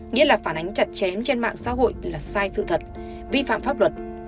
nghĩa là phản ánh chặt chém trên mạng xã hội là sai sự thật vi phạm pháp luật